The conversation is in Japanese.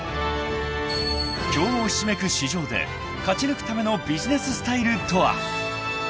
［競合ひしめく市場で勝ち抜くためのビジネススタイルとは］